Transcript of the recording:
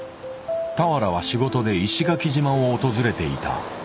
俵は仕事で石垣島を訪れていた。